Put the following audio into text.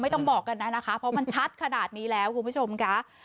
ต้องบอกกันนะนะคะเพราะมันชัดขนาดนี้แล้วคุณผู้ชมค่ะ